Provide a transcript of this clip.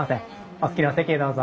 お好きなお席へどうぞ。